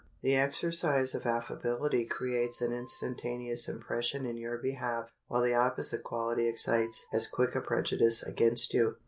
The exercise of affability creates an instantaneous impression in your behalf, while the opposite quality excites as quick a prejudice against you.